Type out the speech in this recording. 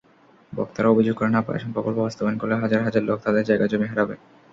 বক্তারা অভিযোগ করেন, আবাসন প্রকল্প বাস্তবায়ন করলে হাজার হাজার লোক তাঁদের জায়গা-জমি হারাবে।